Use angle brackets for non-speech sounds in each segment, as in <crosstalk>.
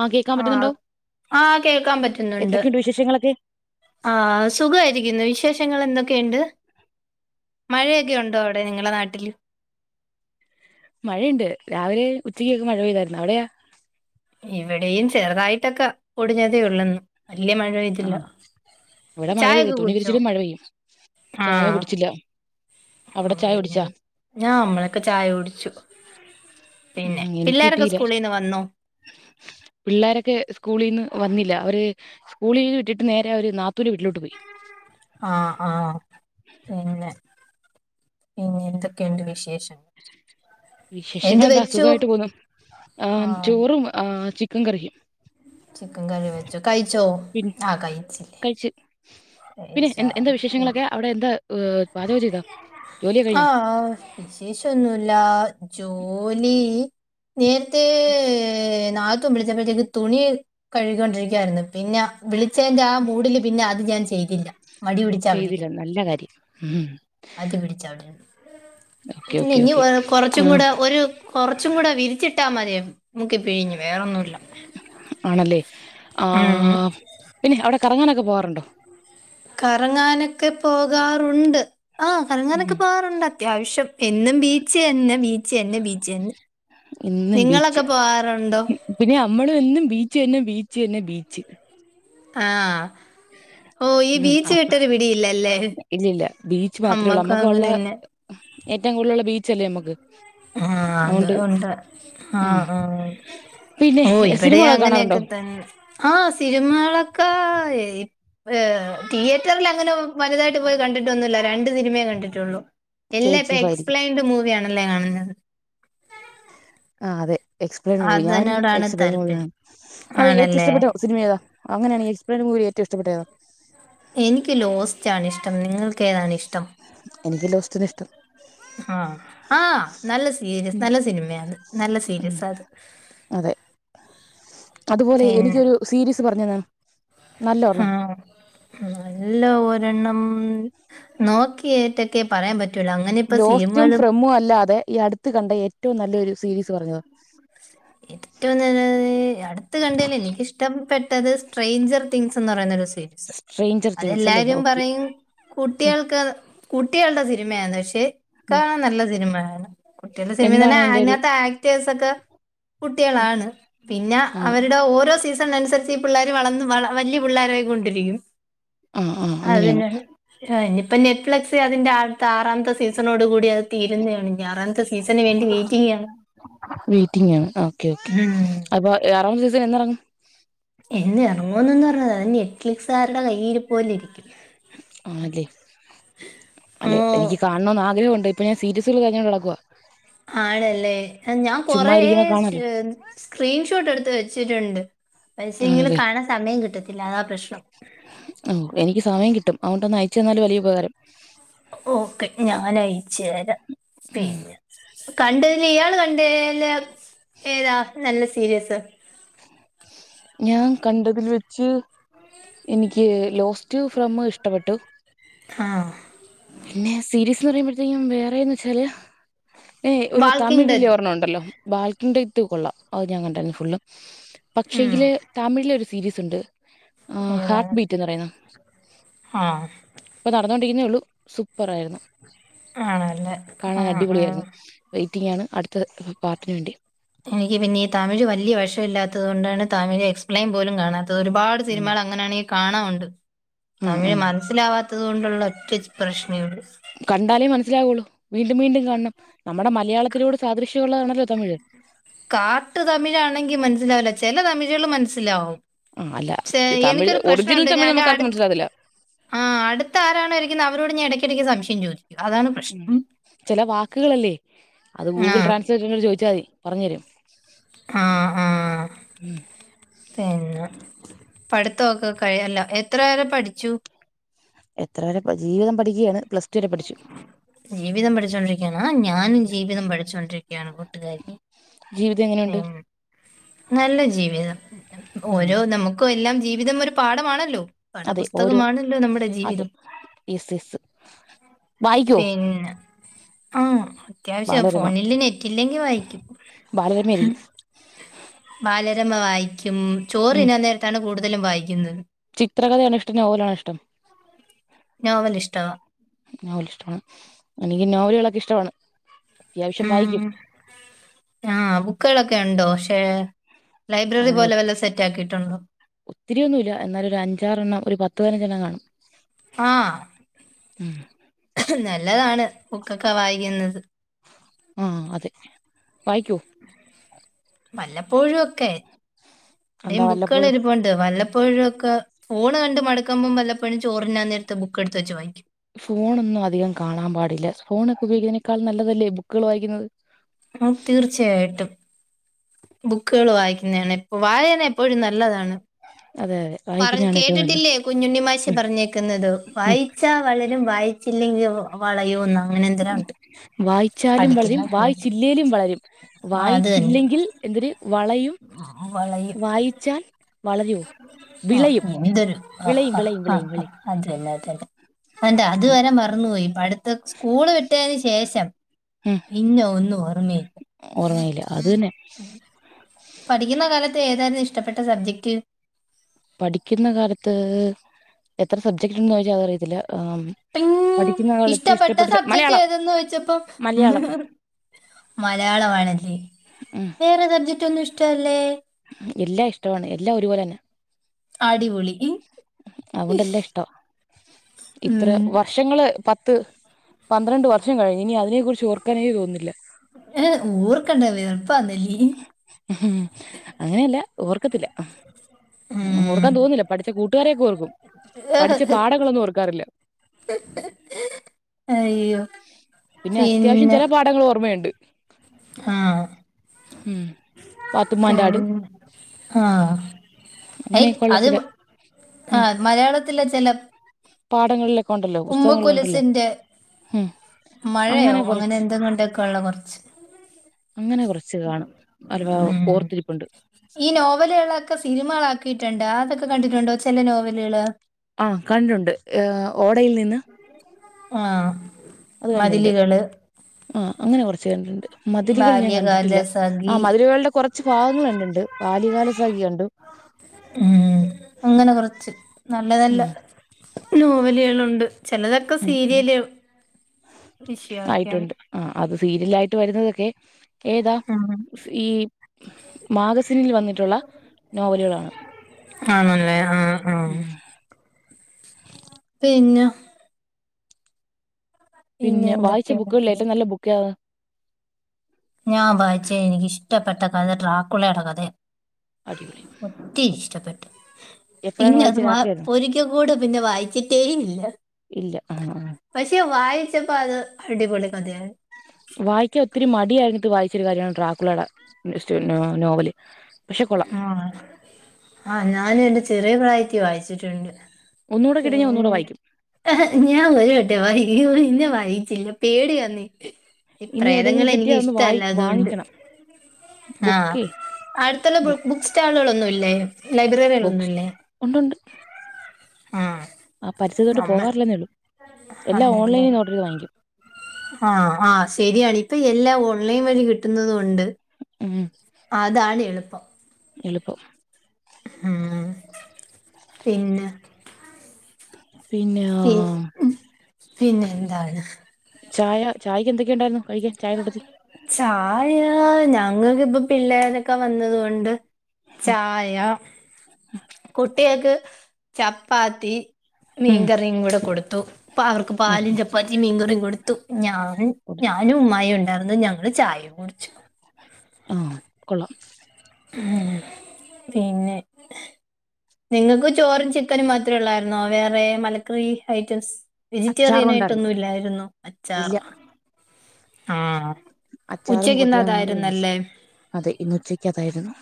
ആഹ് കേക്കാൻ ആഹ്, പറ്റുന്നുണ്ടോ ആഹ് കേക്കാൻ പറ്റുന്നുണ്ട് എന്തൊക്കെയുണ്ട് വിശേഷങ്ങളൊക്കെ ആഹ് സുഖവായിരിക്കുന്നു വിശേഷങ്ങള് എന്തൊക്കെയുണ്ട്? മഴയൊക്കെ ഒണ്ടോ അവടെ നിങ്ങളെ നാട്ടില് മഴയ്ണ്ട് രാവിലെ ഉച്ചയ്ക്കൊക്കെ മഴ പെയ്തായിരുന്നു അവടെയോ ഇവിടെയും ചെറുതായിട്ടക്കെ പൊടിഞ്ഞതേഒള്ളന്ന് വെല്ല്യ മഴ പെയ്തില്ല ആഹ് ഇവിടെ മഴ പെയ്തു ചായൊക്കെ തുണി കുടിച്ചോ വിരിച്ചിടും മഴ പെയ്യും ചായ കുടിച്ചില്ല അവിടെ ചായ കുടിച്ചാ <unintelligible> ഞാമ്മളക്കെ ചായുടിച്ചു പിന്നെ ഉം എനിക്ക് പിള്ളേരക്കെ സ്കൂളീന്ന് വന്നോ പിള്ളേരക്കെ സ്കൂളീന്ന് വന്നില്ല അവര് സ്കൂളി വിട്ടിട്ട് നേരെ അവര് നാത്തൂന്റെ വീട്ടിലോട്ട് പോയി ആഹ് ആഹ് പിന്നെ പിന്നെ എന്തക്കെണ്ട് വിശേഷം എന്ത് വിശേഷങ്ങളെന്താ വെച്ചു സുഖവായിട്ട് പോന്നു ആഹ് ചോറും ആഹ് ചിക്കം കറിയും ചിക്കം കറി വെച്ചോ കയിച്ചോ പിൻ ആഹ് കയിച്ചില്ലേ കഴിച്ച് പിന്നെ എൻ എന്താ വിശേഷങ്ങളക്കെ അവിടെ എന്താ പാചകം ചെയ്തോ ജോലിയൊക്കെ കഴിഞ്ഞോ ആഹ് വിശേഷൊന്നുല്ല ജോലീ നേരത്തേ നാത്തുൻ വിളിച്ചപ്പഴ്ത്തേക്ക് തുണി കഴിക്കോണ്ടിരിക്കാരുന്നു പിന്നെ വിളിച്ചേന്റെ ആ മൂഡില് പിന്നെ അത് ഞാൻ ചെയ്തില്ല മടി പിടിച്ച ചെയ്തില്ല അവിടിരുന്ന് നല്ല കാര്യം ഉം അത് പിടിച്ച അവിടിരുന്ന് ഓക്കെ ഓക്കെ ഇല്ലന്നി ഓക്കെ കൊറച്ചും ആഹ് കൂടെ ഒരു കൊറച്ചുംകുട വിരിച്ചിട്ടാ മതിയാ- - മുക്കി പിഴിഞ്ഞ് വേറൊന്നുല്ല ആണല്ലേ ഉം ആഹ് പിന്നെ അവടെ കറങ്ങാനക്ക പോവാറൊണ്ടോ കറങ്ങാനക്കെ പോകാറുണ്ട് ആഹ് ഉം കറങ്ങാനക്കെ പോകാറുണ്ട് അത്യാവിശ്യം എന്നും ബീച്ച് എന്നെ ബീച്ച് എന്നെ ബീച്ച് എന്നെ എന്നും ബീച്ച് പിന്നെ ഞമ്മളും എന്നും ബീച്ച് എന്നെ ബീച്ച് എന്നെ ബീച്ച് ആഹ് ഓഹ് ഈ ഉം ബീച്ച് അപ്പ വിട്ടൊരു പിടിയില്ലല്ലേ ഇല്ലില്ല അമ്മക്കു അങ്ങനന്നെ ഏറ്റം കൂടുതല്ള്ള ബീച്ചല്ലേ ഞമ്മക്ക് ആഹ് അത് ഉണ്ട് ആഹ് ആഹ് പിന്നെ ഓഹ് ഇവടീം സിനിമകളൊക്കെ കാണാറുണ്ടോ അങ്ങനേക്കതന്നേ ആഹ് സിനിമേളക്ക ഏഹ് തിയേറ്ററിലങ്ങനെ വലുതായിട്ട് പോയി കണ്ടിട്ടൊന്നുല്ല രണ്ട് സിനിമയേ കണ്ടിട്ടൊള്ളു കെ എല്ലാ ഇപ്പ ജി എഫ് ആയിരിക്കും എക്സ്പ്ലെയിൻഡ് മൂവിയാണല്ലേ കാണുന്നത് ആഹ് അതെ എക്സ്പ്ലെയ്ൻട് മൂവി ഞാനും അതിനോടാണ് എക്സ്പ്ലെയ്ൻ മൂവി താല്പര്യം അതെ ഏറ്റവും ആണല്ലേ ഇഷ്ടപ്പെട്ട സിനിമയേതാ അങ്ങനെണങ്കി എക്സ്പ്ലെന്റ് മൂവി ഏറ്റവും ഇഷ്ടപെട്ടത് ഏതാ എനിക്ക് ലോസ്റ്റാണ് ഇഷ്ടം നിങ്ങൾക്ക് ഏതാണ് ഇഷ്ടം എനിക്ക് ലോസ്റ്റ്ന്നേ ഇഷ്ടം ആഹ് ആഹ് നല്ല സീരിയസ് ഉം നല്ല സിനിമേ അത് നല്ല ഉം സീരിയസാ അത് അതെ അതുപോലെ പിന്നെ എനിക്കൊരു സീരീസ് പറഞ്ഞന്നാ നല്ലോര്ണ്ണം ആഹ് നല്ല ഒരെണ്ണം നോക്കിട്ടൊക്കെ പറയാൻ പറ്റൂല അങ്ങനെ ഇപ്പ ലോസ്റ്റും സിനിമകള് ഫ്രെമ്മും അല്ലാതെ ഈ അടുത്ത് കണ്ട ഏറ്റവും നല്ലൊരു സീരീസ് പറഞ്താ ഏറ്റവും നല്ലത് അടുത്ത് കണ്ടേൽ എനിക്കിഷ്ടപ്പെട്ടത് സ്ട്രേഞ്ചർ തിങ്സ് എന്ന് പറയുന്നൊരു <unintelligible> സ്ട്രേഞ്ചർ തിങ്സ് അല്ലേ അതെല്ലാരും ഓക്കെ പറയും കുട്ടേൾക്ക് കുട്ടികള്ടെ സിനിമേന്ന് പക്ഷെ കാണാൻ നല്ല സിനിമയാണ് കുട്ടികള്ടെ സിനിമ എന്താണ് തന്നെ അതിന്റെ ഒരു അതിനകത്തെ ആ ആക്ടേഴ്സ് ഒക്കെ കുട്ടേളാണ് പിന്നെ ആണ് അവര്ടെ ഓരോ സീസ ണനുസരിച്ച് ഈ പിള്ളേര് വളന്ന് വള വല്ലേ പിള്ളേരായി കൊണ്ടിരിക്കും ആഹ് ആഹ് അങ്ങനെയാണ് അതെന്നെണ് ഇനിപ്പ നെറ്റ്ഫ്ലക്സ് അതിന്റെ അട്ത്ത ആറാമത്തെ സീസണോട് കൂടി അ തീരുന്നേ ആൺ ഞ് ആറാമത്തെ സീസന് വേണ്ടി വെയിറ്റിങ്ങാണ് മീറ്റിംങ്ങോ? ആഹ് ഓക്കെ ഓക്കെ ഉം അപ്പൊ ആറാമത്തെ സീസണെന്ന് എറങ്ങും? എന്ന് എറങ്ങോന്നൊന്നും അറിഞ്ഞൂട അത് നെറ്റ്ലിക്സുകാരുടെ കയ്യിലിരിപ്പ് പോലെയിരിക്കും ആണല്ലേ? ഓ അല്ല എനിക്ക് കാ ണണോന്ന് ആ്രഹവുണ്ട് ഇപ്പ ഞാൻ സിരിയസ്കള് തെരഞ്ഞോണ്ട് നടക്കുവ ആണല്ലേ? ഞാൻ ചുമ്മാ കൊറേ ഇരിക്കുമ്പോ കാണാലോ സ്ക്രീൻഷോട്ട് എടുത്ത് വെച്ചിട്ടുണ്ട് പക്ഷേ എങ്കില് ആണല്ലേ കാണാൻ സമയം കിട്ടത്തില്ല അതാ പ്രശ്നം ഓഹ് എനിക്ക് സമയം കിട്ടും അതു കൊണ്ടൊന്ന് അയച്ച് തന്നാൽ വലിയ ഉപകാരം ഓക്കെ ഞാനയച്ചു തരാം ഉം പിന്നെ കണ്ടതില് ഇയാള് കണ്ടേല് ഏതാ നല്ല സീരിയസ്? ഞാൻ കണ്ടതിൽ വെച്ച് എനിക്ക് ലോസ്റ്റ് ഫ്രമ്മ് ഇഷ്ട്ടപ്പെട്ടു ആഹ് പിന്നെ സീരീസ് എന്ന് പറയുമ്പഴത്തേക്കും വേറേന്ന് വെച്ചാല് ഏഹ് ഒരു വാൾക്കിംഗ് തമിഴിലെ ഡെഡ് ഒരെണ്ണ ഒണ്ടല്ലോ.? ബാൽക്കൺ ടെയ്ത്ത് കൊള്ളാം അതും ഞാൻ കണ്ടാരുന്നു ഫുള്ള് ഉം പക്ഷെങ്കില് തമിഴിലൊരു സീരീസ് ഇണ്ട് ഹാർട്ട് ഏതാണ് ബീറ്റ് എന്ന് പറയുന്ന ആഹ് ഇപ്പൊ നടന്നോണ്ടിരിക്കുന്നേയൊള്ളു സൂപ്പറായിരുന്നു ആണല്ലേ കാണാൻ ആഹ് ആഹ് അടിപൊളിയായിരുന്നു വെയിറ്റിങ്ങാണ് അടുത്ത പാർട്ടിന് വേണ്ടി എനിക്ക് പിന്നെ ഈ തമിഴ് വല്ല്യ വശമില്ലാത്തത് കൊണ്ടാണ് തമിഴ് എക്സ്പ്ലെയിൻ പോലും കാണാത്തത് ഒരുപാട് സിനിമകള് അങ്ങനെയാണെങ്കി കാണാവുണ്ട് ആഹ് തമിഴ് ആഹ് മനസ്സിലാവാത്ത ത് കൊണ്ടുള്ള ഒറ്റ പ്രശ്നേയൊള്ളു കണ്ടാലേ മനസ്സിലാവൊള്ളൂ വീണ്ടും വീണ്ടും കണണം നമ്മുടെ മലയാളത്തിനോട് സാദൃശ്യമുള്ളതാണല്ലോ തമിഴ്? കാട്ടു തമിഴാണെങ്കി മനസ്സിലാവില്ല ചെല തമിഴ്കള് മനസ്സിലാവും ആഹ് അല്ല പക്ഷെ തമിഴ് എനിക്കൊരു ഒറിജിനൽ പ്രശ്നവുണ്ട് ഞാൻ തമിഴ് എന്റെറെ നമുക്ക് ആർക്കും അടുത്ത് മനസ്സിലാകത്തില്ല ആഹ് അടുത്ത് ആരാണോ ഇരിക്കുന്നെ അവരോട് ഞാൻ എടക്കെടയ്ക്ക് സംശയം ചോദിക്കും അതാണ് ഉം പ്രശ്നം ചെല വാക്കുകളല്ലേ? അത് ഗൂഗിൾ ആഹ് ട്രാൻസ്ലേറ്റ് ചോയ്ച്ചാ മതി പറഞ്ഞു തരും ആഹ് ആഹ് ഉം പിന്നെ പഠിത്തവൊക്കെ കഴിഞല്ലോ? എത്ര വരെ പഠിച്ചു? എത്ര വരെ ജീവിതം പഠിക്കെയാണ് പ്ലസ് ടു വരെ പഠിച്ചു ജീവിതം പഠിച്ചോണ്ടിരിക്കെയാണോ ഞാനും ജീവിതം പഠിച്ചോണ്ടിരിക്കയാണ് കൂട്ടുകാരി ജീവിതം എങ്ങനെയുണ്ട്? പിന്നെ നല്ല ജീവിതം ഉം ഓരോ നമുക്കും എല്ലാം ജീവിതം ഒരു പാഠമാണല്ലോ പഠ അതെ പുസ്തകമാണല്ലോ നമ്മുടെ ജീവിതം എസ് എസ്സ് പിന്നെ ആഹ് അത്യാവിശ്യം ഫോണില് നെറ്റില്ലെങ്കി വായിക്കും. ബാലരമ ആയിരിക്കും ബാലരമ വായിക്കും ചോറ് ഉം തിന്നാൻ നേരത്താണ് കൂടുതലും വായിക്കുന്നത്. ചിത്രകഥയാണോ ഇഷ്ടം നോവലാണോ ഇഷ്ടം? നോവലിഷ്ട്ടവ നോവല് ഇഷ്ടമാണ് എനിക്കും നോവലുകളൊക്കെ ഇഷ്ടമാണ് അത്യാവിശ്യം വായിക്കും. ആഹ് ബുക്കുകളൊക്കെയുണ്ടോ? പക്ഷേ ലൈബ്രറി പോലെ വല്ലോം സെറ്റാക്കിയിട്ടുണ്ടോ? ഒത്തിരിയൊന്നുല്ല എന്നാലും ഒരു അഞ്ചാറെണ്ണം ഒരു പത്ത് പതിനഞ്ചണ്ണം കാണും. ഉം ആഹ് നല്ലതാണ് ബുക്കൊക്കെ വായിക്കുന്നത്. ആഹ് അതെ വായിക്കൊ? വല്ലപ്പോഴും ഒക്കെ എന്താ ഇവിടെയും ബുക്കുകൾ വല്ലപ്പോഴും ഇരുപുണ്ട്. ഇണ്ട് വല്ലപ്പോഴും ഒക്കെ ഫോണ് കണ്ട് മടക്കുമ്പം വല്ലപ്പഴും ചോറ് തിന്നാൻ നേരത്ത് ബുക്ക് എടുത്ത് വെച്ച് വായിക്കും. ഫോണൊന്നും അധികം കാണാൻ പാടില്ല ഫോൺ ഒക്കെ ഉപയോഗിക്കുന്നതിനേക്കാൾ നല്ലതല്ലേ ബുക്കുകൾ വായിക്കുന്നത്. ഉം തീർച്ചയായിട്ടും. ബുക്കുകൾ വായിക്കുന്നതാണ് ഇപ്പ വായന എപ്പോഴും നല്ലതാണ്. അതെ അതെ. പറ വായിക്കുന്നതാണ് ഏറ്റവും നല്ലത് കേട്ടിട്ടില്ലേ കുഞ്ഞുണ്ണിമാശ് പറഞ്ഞേക്കുന്നത് ഉം വായിച്ചാ വളരും വായി ചില്ലെങ്കിൽ വളയോ ഒന്നും അങ്ങനെ എന്തെരാ ഉണ്ട്. വായിച്ചാലും വളരും പഠിക്കുന്ന പിള്ളേർ വായിച്ചില്ലെലും വളരും ആ അത് തന്നെ വായിച്ചില്ലെങ്കിൽ എന്തര് വളയും. വളയും വായിച്ചാൽ വളരോ. വിളയും ആഹ് എന്തോരു ആഹ് വിളയും ആഹ് വിളയും ആ വിളയും ഹ് ആഹ് വിളയും അതന്നേ അതന്നേ കണ്ടോ അതുവരെ മറന്നു പടുത്തം കൂള് വിട്ടതിന് ശേഷം ഉം പിന്നെ ഒന്നും ഓർമ്മയില്ല. ഓർമ്മയില്ല അത് തന്നെ ഉം. പഠിക്കുന്ന കാലത്ത് ഏതായിരുന്നു ഇഷ്ടപ്പെട്ട സബ്ജക്ട്. പഠിക്കുന്ന കാലത്ത് എത്ര സബ്ജക്ട് ഉണ്ട് ചോദിച്ചാൽ അതറിയത്തില്ല എ. ഉം ഇഷ്ടപ്പെട്ട സബ്ജക്ട് മലയാളം ഏതന്ന് ചോദിച്ചപ്പം മലയാളം മലയാളമാണല്ലേ ഉം വേറെ സബ്ജക്റ്റ് ഒന്നും ഇഷ്ടല്ലേ. എല്ലാം ഇഷ്ടമാണ് എല്ലാം ഒരുപോലെ തന്നെ. അടിപൊളി അതുകൊണ്ടല്ലാം ഇഷ്ട ഇത്ര വർ ഉം. വർഷങ്ങള് പത്ത് പന്ത്രണ്ട് വർഷം കഴിഞ്ഞ് ഇനി അതിനെക്കുറിച്ച് ഓർക്കാനേ തോന്നുന്നില്ല. ഏ ഓർക്കണ്ട വെറപ്പാന്നല്ലീ. ഹും അങ്ങനെയല്ല ഓർക്കത്തില്ല. ഓർക്കാൻ ഉം തോന്നുന്നില്ല പഠിച്ച കൂട്ടുകാരെയൊക്കെ ഓർക്കും പഠിച്ച പാഠങ്ങളൊന്നും ഓർക്കാറില്ല. <unintelligible> അയ്യോ. പിന്നെ അത്യാവശ്യം ചില പാഠങ്ങൾ ഓർമ്മയുണ്ട്. ആ ഉം ഹ് പാത്തുമ്മാന്റെ ആട് പിന്നെ ആഹ്. അയ് അങ്ങനെയൊക്കെയുള്ള അത് ചില ആ ഉം മലയാളത്തില ചില പാഠങ്ങളിലൊക്കെ ഉണ്ടല്ലോ പുസ്തകങ്ങളില് ഉണ്ടല്ലോ. ഉമ്മക്കുലസിന്റെ മഴയോ അങ്ങനെ കുറച്ച് എന്തെങ്ങും ഉണ്ടൊക്കെയ ഉള്ള കുറച്ച്. അങ്ങനെ കുറച്ച് കാണും ആ ഒരു ഭാഗം ഉം ഓർത്തിരിപ്പുണ്ട്. ഈ നോവലുകളൊക്കെ സിനിമകളാക്കിയിട്ടുണ്ട് അതൊക്കെ കണ്ടിട്ടുണ്ടോ ചെല നോവലുകള്. ആഹ് കണ്ടുണ്ട് എഹ് ഓടയിൽ നിന്ന്. ആഹ് മതിലികള്. ആഹ് അങ്ങനെ കുറച്ച് കണ്ടിട്ടുണ്ട് മതിലുകൾ ഞാൻ ബാല്യകാല കണ്ടിട്ടില്ല ആ സഖി മതിലുകളുടെ കുറ കുറച്ച് ഭാഗങ്ങള് കണ്ടിണ്ട് ബാല്യകാല സഖി കണ്ടു. ഉം അങ്ങനെ കുറച്ച് നല്ല നല്ല ഉം നോവലുകളുണ്ട്. ചിലതൊക്കെ ഉം ഉം സീരിയല് വിഷയാ ക്കിയാൻ. ആഹ് അത് സീരിയലായിട്ട് വരുന്നതൊക്കെ ഏതാ ഉം ഈ മാഗസനിൽ വന്നിട്ടുള്ള നോവലുകളാണ് ആണ്ല്ലേ ആഹ് ആഹ് ഉം പിന്ന പിന്നെ വായിച്ച ബുക്കുകളിൽ ഏറ്റവും നല്ല ബുക്കേതാ ഞാൻ വായിച്ചേ എനിക്കിഷ്ടപ്പെട്ട കഥ ട്രാക്കുളയുടെ കഥയ അടിപൊളി ത്തിരി ഇഷ്ടപ്പെട്ട് എപ്പോഴാണ് പിന്നെ അത് വായിച്ചത് വാ രാത്രിയായിരുന്നോ ഒരിക്ക കൂടെ പിന്നെ വായിച്ചിട്ടേ ഇല്ല ഇല്ല ആ ആ പക്ഷെ വായിച്ചപ്പ അത് അടിപൊളി കഥയാണ് വായിക്കാൻ ഒത്തിരി മടിയായിരുന്നിട്ടും വായിച്ചൊരു കാര്യമാണ് ട്രാക്കുളേടെ ഇഷ്ട നോവല് പക്ഷെ കൊള്ളാം ആണൊ, ആഹ് ഞാനും എന്റെ ചെറിയ പ്രായത്തി വായിച്ചിട്ടുണ്ട് ഒന്നുകൂടെ കിട്ടിയ ഞാൻ ഒന്നുകൂടെ പിന്നെ വായിക്കും ഞാൻ ഒരു വട്ടെ വായിക്ക്യൂ പിന്നെ വായിച്ചില്ല പേടിയാന്നെ ഈ ഇനി എവിടെയെങ്കിലും പ്രേതങ്ങളെ കിട്ടിയാ എനിക്ക് ഒന്ന് വായി ഇഷ്ടല്ല അതുകൊണ്ട് വാങ്ങിക്കണം ആഹ് ബുക്കേ അടുത്തുള്ള ബു ബുക്ക്സ്റ്റാളുകളൊന്നുല്ലേ ബോക്സ് ലൈബ്രറികളൊന്നുല്ലേ ഉണ്ടുണ്ട് ആഹ് ആ പരിസരത്തോട്ട് നമ്മൾ പോവാറില്ലന്നേള്ളൂ എല്ലാം ആണല്ലേ ഓൺലൈനിൽ നിന്ന് ഓർഡറെയ്ത് വാങ്ങിക്ക്യും ആഹ് ആഹ് ശരിയാണ് ഇപ്പം എല്ലാം ഓൺലൈൻ വഴി കിട്ടുന്നതൂംണ്ട് ഉം അതാണ് എളുപ്പം എളുപ്പം ഉം പിന്നെ പിന്നെ യോ പിന്നെന്താണ് ചായ ചായയ്ക്ക് എന്തൊക്കെ ഉണ്ടായിരുന്നു കഴിയ്ക്കാൻ ചായൻ്റൂട്ടത്തിൽ ചായ ഞങ്ങക്കിപ്പം പിള്ളേരൊക്കെ വന്നത് കൊണ്ട് ചായ കുട്ട്യേക്ക് ചപ്പാത്തി ഉം മീൻകറിം കൂടെ കൊടുത്തു അപ്പവർക്ക് പാലും ഓക്കെ ചപ്പാത്തിം മീൻകറിം കൊടുത്തു ഞാന് കൊടുത്തു ഞാനും ഉമ്മായും ഉണ്ടാർന്നു ഞങ്ങള് ചായിം യും കുട്ച്ച് ആഹ് കൊള്ളാം ഉം പിന്നെ നിങ്ങക്കും ചോറും ചിക്കനും മാത്രേ ഉള്ളായിരുന്നോ വേറെ മലക്കറി ഐറ്റംസ് അച്ചാറും ഉണ്ടായിരുന്നു വെജിറ്റേറിയനായിട്ടൊന്നും ഇല്ലായിരുന്നു അച്ചാർ ഇല്ല ആഹ് അച്ചാറും കൂട്ടിയാ ഞങ്ങള് കഴിച്ചു ഉച്ചക്കിന്നതായിരുന്നല്ലേ അതെ ഇന്ന് ഉച്ചയ്ക്കതായിരുന്നു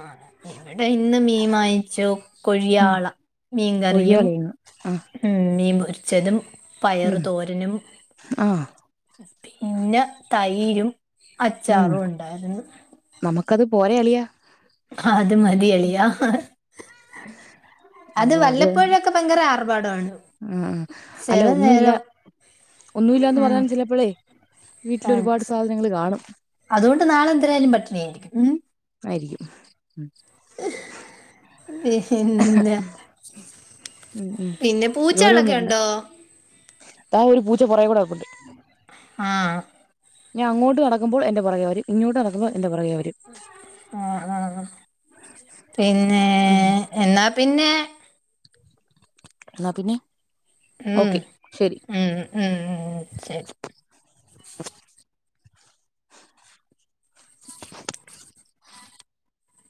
ആഹ് ഇവടെ ഇന്ന് മീൻ മാങ്ങിച്ചു കൊഴിയ വാള പൊര്യേളേന്നു അഹ് ഉം മീൻ പൊരിച്ചതും പയറ് ഉം തോരനും ആ പിന്നെ തൈരും ഉം അച്ചാറൂണ്ടായിരുന്നു നമുക്കത് പോരേ അളിയാ അത് മതിയളിയാ <inaudible> ആഹ് അത് തന്നെ വല്ലപ്പോഴൊക്കെ ഭയങ്കര ആർഭാടമാണ് ആഹ് അല്ല ചില ഒന്നുഇല്ല നേരം ഒന്നുല്ലാന്ന് ഉം പറഞ്ഞാലും ചിലപ്പളേ വീട്ടിലൊരുപാട് സാധനങ്ങള് കാണും അതുകൊണ്ട് നാളെന്തരായാലും പട്ടിണിയായിരിയ്ക്കും ഉം ആയിരിക്ക്യും ഉം പിന്നെ ഉം ഉം പിന്നെ പൂച്ചകളൊക്കെ ഉണ്ടോ താ ഒരു പൂച്ചറ പൊറകികൂടെ നടപ്പുണ്ട് ആഹ് ഞാൻ അങ്ങോട്ട് നടക്കുമ്പോൾ എന്റെ പൊറകെവരും ഇങ്ങോട്ട് നടക്കുമ്പോൾ എന്റെ പൊറകെ വരും ആഹ് ആഹ് പിന്നെ ഉം എന്നാ പിന്നെ എന്നാ പിന്നെ ഉം ഓക്കെ ശരി ഉം ഉം ശെരി <unintelligible>